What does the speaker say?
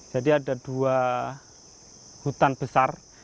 jadi ada dua hutan besar